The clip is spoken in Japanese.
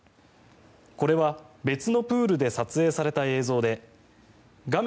これは、別のプールで撮影された映像で画面